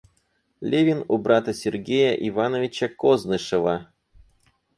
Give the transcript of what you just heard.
Левин у брата Сергея Ивановича Кознышева.